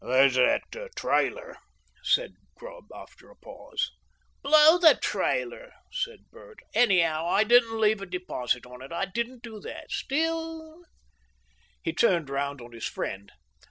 "There's that trailer," said Grubb, after a pause. "Blow the trailer!" said Bert. "Anyhow, I didn't leave a deposit on it. I didn't do that. Still " He turned round on his friend.